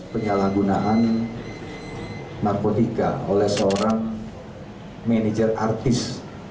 penyalahgunaan narkotika oleh seorang manajer artis